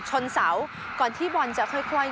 ชนเสาก่อนที่บอลจะค่อย